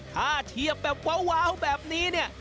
ถ้าเทียบแบบวาวแบบนี้